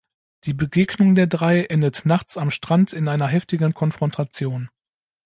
Die Begegnung der drei endet nachts am Strand in einer heftigen Konfrontation.